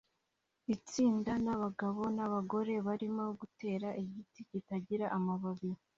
Itsinda n'abagabo n'abagore barimo gutera igiti kitagira amababi